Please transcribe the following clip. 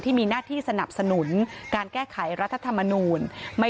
หน้าที่สนับสนุนการแก้ไขรัฐธรรมนูล